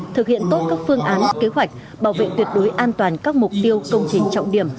thực hiện tốt các phương án kế hoạch bảo vệ tuyệt đối an toàn các mục tiêu công trình trọng điểm